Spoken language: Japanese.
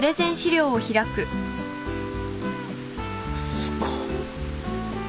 すごっ。